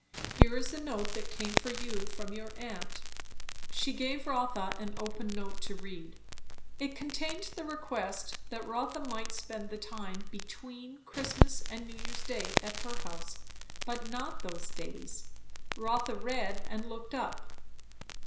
Here is a note that came for you, from your aunt." She gave Rotha an open note to read. It contained the request that Rotha might spend the time between Christmas and New Year's Day at her house, but not those days. Rotha read and looked up.